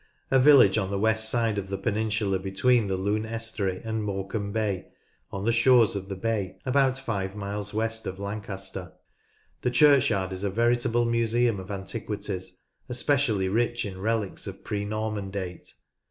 A village on the west side of the peninsula betweenCthe Lune estuary and Morecambe Bay, on the shores of the bay, about five miles west of Lancaster. The churchyard is a veritable museum of antiquities, especially rich in relics of pre Norman date.